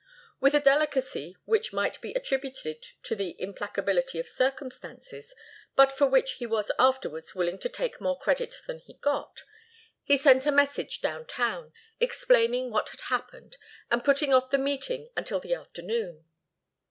With a delicacy which might be attributed to the implacability of circumstances, but for which he was afterwards willing to take more credit than he got, he sent a message down town, explaining what had happened, and putting off the meeting until the afternoon.